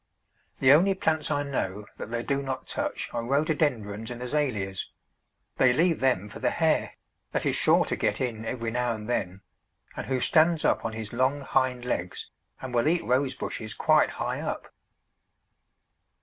The only plants I know that they do not touch are Rhododendrons and Azaleas; they leave them for the hare, that is sure to get in every now and then, and who stands up on his long hind legs, and will eat Rose bushes quite high up.